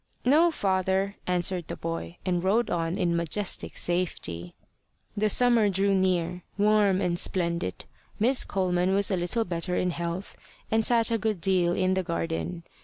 "No, father," answered the boy, and rode on in majestic safety. The summer drew near, warm and splendid. Miss Coleman was a little better in health, and sat a good deal in the garden.